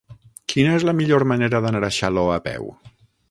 Quina és la millor manera d'anar a Xaló a peu?